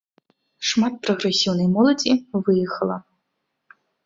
Шмат прагрэсіўнай моладзі выехала.